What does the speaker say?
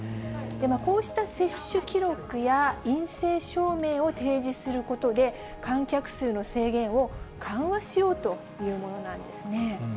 こうした接種記録や陰性証明を提示することで、観客数の制限を緩和しようというものなんですね。